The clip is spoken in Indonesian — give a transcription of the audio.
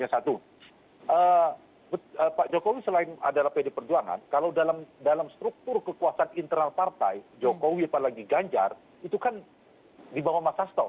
satu pak jokowi selain adalah pd perjuangan kalau dalam struktur kekuasaan internal partai jokowi apalagi ganjar itu kan di bawah mas hasto